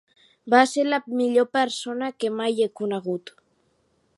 Va ser la millor persona que mai he conegut.